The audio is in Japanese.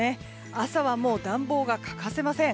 朝は暖房が欠かせません。